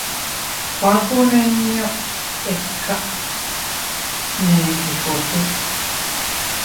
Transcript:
—Kuakunniñu tika —nbefne Quijote—.